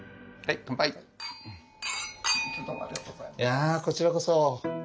いやこちらこそ。